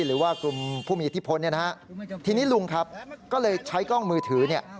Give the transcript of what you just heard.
หรือว่ากลุ่มผู้มีอิทธิพลเนี่ยนะฮะทีนี้ลุงครับก็เลยใช้กล้องมือถือเนี่ย